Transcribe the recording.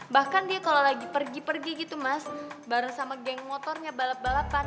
bahkan dia kalau lagi pergi pergi gitu mas bareng sama geng motornya balap balapan